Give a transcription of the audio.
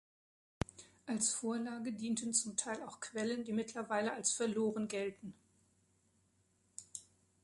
Als Vorlage dienten zum Teil auch Quellen, die mittlerweile als verloren gelten.